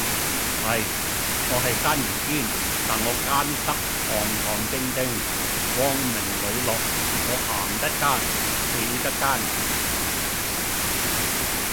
係，我係奸人堅，但我奸得堂堂正正，光明磊落，我行得奸，企得奸!